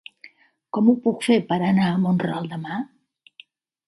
Com ho puc fer per anar a Mont-ral demà?